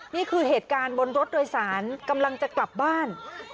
นี่คือเหตุการณ์บนรถโดยสารกำลังจะกลับบ้าน